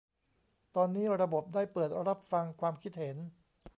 ตอนนี้ระบบได้เปิดรับฟังความคิดเห็น